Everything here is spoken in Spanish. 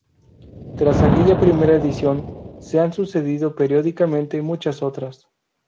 Tras aquella primera edición, se han sucedido periódicamente muchas otras.